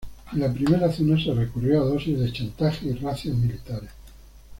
En la primera zona se recurrió a dosis de chantaje y razzias militares.